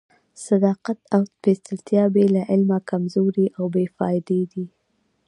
صداقت او سپېڅلتیا بې له علمه کمزوري او بې فائدې دي.